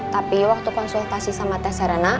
tapi waktu konsultasi sama tes serena